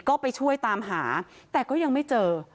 ก็ไปช่วยตามหาแต่ก็ยังไม่เจอ